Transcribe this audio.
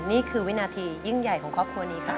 นี่คือวินาทียิ่งใหญ่ของครอบครัวนี้ค่ะ